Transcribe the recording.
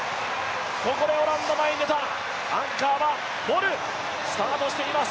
ここでオランダ前に出た、アンカーはボル、スタートしています。